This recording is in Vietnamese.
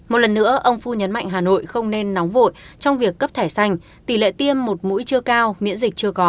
một lần nữa ông phu nhấn mạnh hà nội không nên nóng vội trong việc cấp thẻ xanh tỷ lệ tiêm một mũi chưa cao miễn dịch chưa có